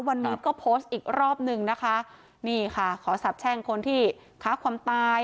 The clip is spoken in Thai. วันนี้ก็โพสต์อีกรอบหนึ่งนะคะนี่ค่ะขอสาบแช่งคนที่ค้าความตาย